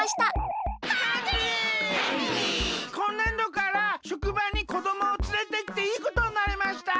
こんねんどからしょくばにこどもをつれてきていいことになりました。